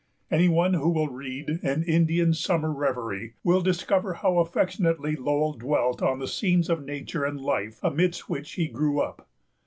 Any one who will read An Indian Summer Reverie will discover how affectionately Lowell dwelt on the scenes of nature and life amidst which he grew up.